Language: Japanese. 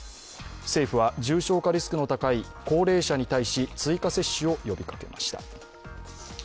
政府は重症化リスクの高い高齢者に対し追加接種を呼びかけました。